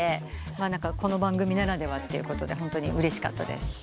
この番組ならではってことでホントにうれしかったです。